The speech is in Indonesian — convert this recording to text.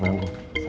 saya juga deh